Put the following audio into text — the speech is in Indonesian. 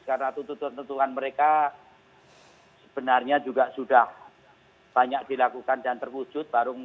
karena tentuan tentuan mereka sebenarnya juga sudah banyak dilakukan dan terwujud